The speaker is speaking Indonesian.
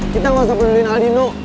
kita gak usah peduliin aldino